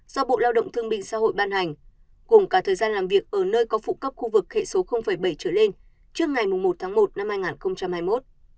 do bộ lao động thương minh xã hội ban hành cùng cả thời gian làm việc ở nơi có phụ cấp khu vực hệ số bảy trở lên trước ngày một tháng một năm hai nghìn hai mươi một